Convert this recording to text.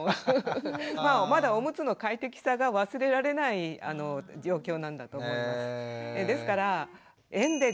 まあまだおむつの快適さが忘れられない状況なんだと思います。